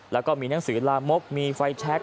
แล้วก็มีหนังสือลามกมีไฟแชค